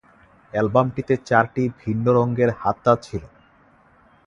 অ্যালবামটিতে চারটি ভিন্ন রঙের হাতা ছিল।